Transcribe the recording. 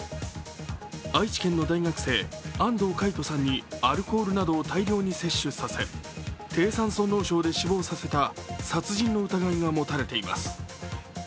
愛知県の大学生、安藤魁人さんにアルコールなどを大量に摂取させ、低酸素脳症で死亡させた殺人の疑いが持たれています。